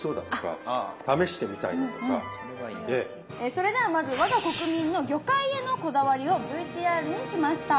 それではまず我が国民の魚介へのこだわりをＶＴＲにしました。